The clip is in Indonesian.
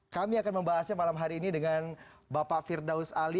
kami akan membahasnya malam hari ini dengan bapak firdaus ali